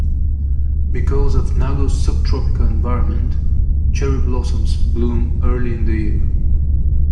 Because of Nago's sub tropical environment, cherry blossoms bloom early in the year.